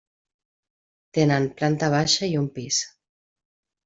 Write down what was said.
Tenen planta baixa i un pis.